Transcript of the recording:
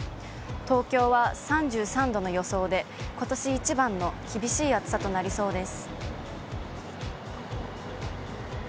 東京は３３度の予想で、ことし一番の厳しい暑さとなりそうです。